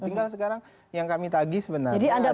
tinggal sekarang yang kami tagih sebenarnya